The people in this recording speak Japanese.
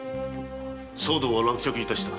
騒動は落着いたした。